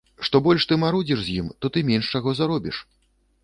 Што больш ты марудзіш з ім, то ты менш чаго зробіш.